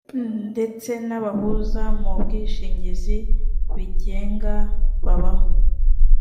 ndetse n’ abahuza mu bwishingizi bigenga babaho